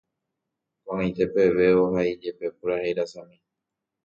Koʼag̃aite peve ohaijepe purahéi rasami.